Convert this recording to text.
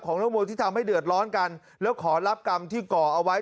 ทั้งหมดที่ทำให้เดือดร้อนกันแล้วขอรับกรรมที่ก่อเอาไว้